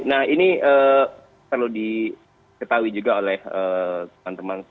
nah ini perlu diketahui juga oleh teman teman